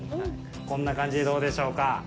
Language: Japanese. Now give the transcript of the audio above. こんな感じでどうでしょうか？